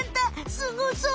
すごそう。